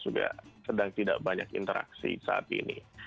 juga sedang tidak banyak interaksi saat ini